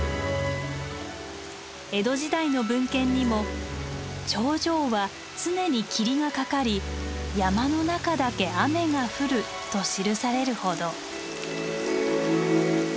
江戸時代の文献にも「頂上は常に霧がかかり山の中だけ雨が降る」と記されるほど。